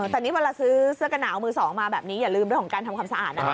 แต่นี่เวลาซื้อเสื้อกระหนาวมือสองมาแบบนี้อย่าลืมเรื่องของการทำความสะอาดนะ